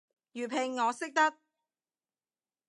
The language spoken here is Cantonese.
粵拼我識得